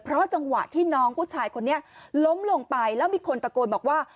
เพราะจังหวะที่น้องผู้ชายคนนี้ล้มลงไปแล้วมีคนตะโกนบอกว่า